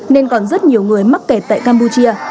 nên còn rất nhiều người mắc kẹt tại campuchia